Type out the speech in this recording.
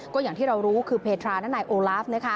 ก็อย่างที่เรารู้คือเพทราและนายโอลาฟ